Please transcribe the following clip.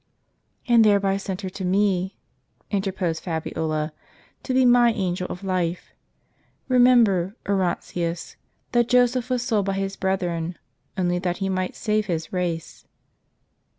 "And thereby sent her to me," interposed Fabiola, "to be my angel of life. Remember, Orontius, that Joseph was sold by his brethren, only that he might save his race."